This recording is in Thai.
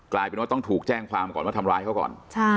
กลายเป็นว่าต้องถูกแจ้งความก่อนว่าทำร้ายเขาก่อน